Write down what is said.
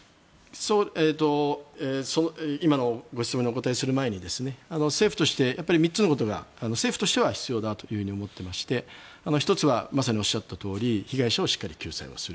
今のご質問にお答えする前に政府として、３つのことが必要だと思っていまして１つはまさにおっしゃったとおり被害者をしっかり救済する。